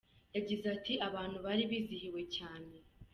Yagize ati “Abantu bari bizihiwe cyane.